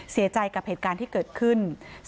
เสียใจกับเหตุการณ์ที่เกิดขึ้น